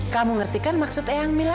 kamu ngerti kan maksud eyang mila